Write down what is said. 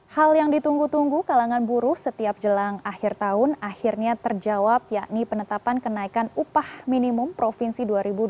hal yang ditunggu tunggu kalangan buruh setiap jelang akhir tahun akhirnya terjawab yakni penetapan kenaikan upah minimum provinsi dua ribu dua puluh empat